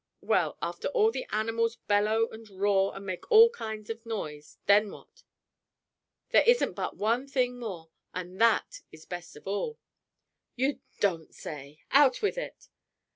"Well, after the animals bellow and roar and make all kinds of noise, then what?" "There isn't but one thing more; but that is best of all!" "You don't say! Out with it!"